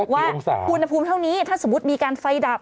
ว่าอุณหภูมิเท่านี้ถ้าสมมุติมีการไฟดับ